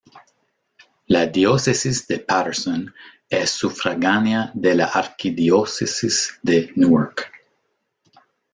La Diócesis de Paterson es sufragánea de la Arquidiócesis de Newark.